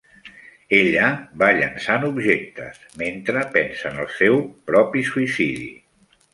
Ella va llençant objectes mentre pensa en el seu propi suïcidi.